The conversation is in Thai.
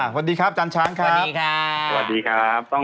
หวัดดีครับจันช้างครับหวัดดีครับ